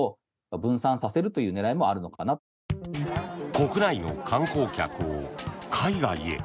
国内の観光客を海外へ。